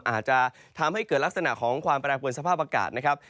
อาจจะทำให้เกิดลักษณะของความแปรปวนสภาพอากาศนะครับ